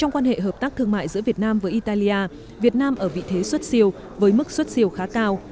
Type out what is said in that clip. quan hệ hợp tác thương mại giữa việt nam với italia việt nam ở vị thế xuất siêu với mức xuất siêu khá cao